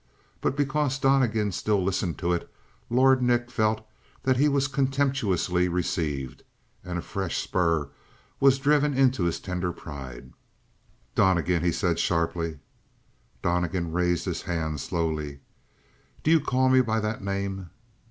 But because Donnegan still listened to it, Lord Nick felt that he was contemptuously received, and a fresh spur was driven into his tender pride. "Donnegan!" he said sharply. Donnegan raised his hand slowly. "Do you call me by that name?"